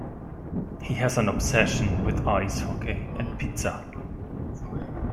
He has an obsession with ice hockey and pizza.